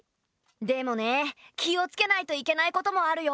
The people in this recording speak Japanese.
でもね気を付けないといけないこともあるよ。